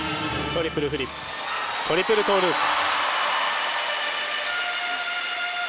トリプルフリップトリプルトウループ。